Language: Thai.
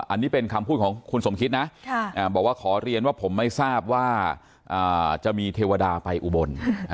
อันนี้เป็นคำพูดของคุณสมคิดนะบอกว่าขอเรียนว่าผมไม่ทราบว่าจะมีเทวดาไปอุบล